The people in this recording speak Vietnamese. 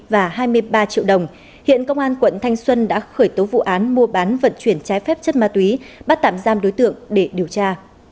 và hai mươi ba triệu đồng hiện công an quận thanh xuân đã khởi tố vụ án mua bán vận chuyển trái phép chất ma túy bắt tạm giam đối tượng để điều tra